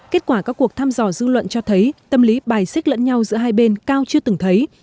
kết quả các cuộc thăm dò dư luận cho thấy tâm lý bài xích lẫn nhau giữa hai bên cao chưa từng thấy